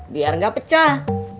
biar gak pecah